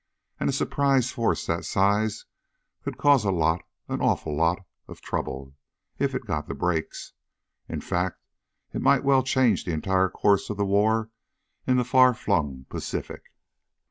And a surprise force that size could cause a lot, an awful lot, of trouble if it got the breaks. In fact, it might well change the entire course of the war in the far flung Pacific.